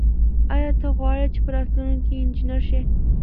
آیا ته غواړې چې په راتلونکي کې انجنیر شې؟